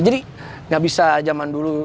jadi gak bisa zaman dulu